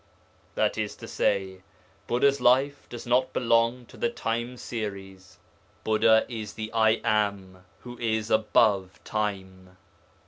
'That is to say, Buddha's life does not belong to the time series: Buddha is the "I Am" who is above time.'